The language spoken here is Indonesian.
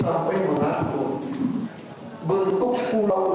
membuat lalu dari baganas juga membuat dari baganas